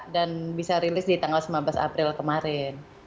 dan bisa rilis di tanggal sembilan belas april kemarin